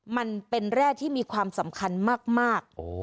มันเป็นแร่ที่มีความสำคัญมาก